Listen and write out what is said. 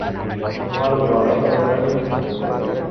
তোমরা লড়াই করবে নাকি নৃত্য করবে?